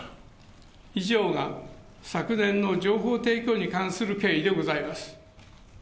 以上が昨年の情報提供に関する経緯でございます。